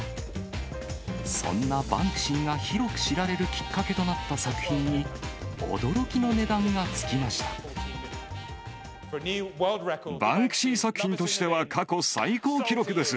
そんなバンクシーが広く知られるきっかけとなった作品に、驚きのバンクシー作品としては、過去最高記録です。